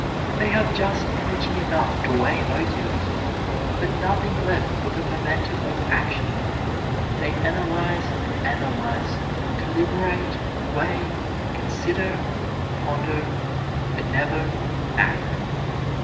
They have just energy enough to weigh motives, but nothing left for the momentum of action. They analyze and analyze, deliberate, weigh, consider, ponder, but never act.